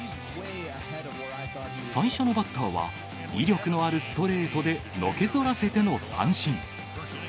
最初のバッターは、威力のあるストレートでのけぞらせての三振。